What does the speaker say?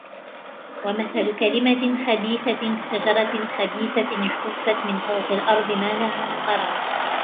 وَمَثَلُ كَلِمَةٍ خَبِيثَةٍ كَشَجَرَةٍ خَبِيثَةٍ اجْتُثَّتْ مِنْ فَوْقِ الْأَرْضِ مَا لَهَا مِنْ قَرَارٍ